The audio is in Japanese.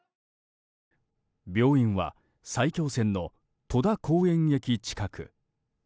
病院は埼京線の戸田公園駅近く。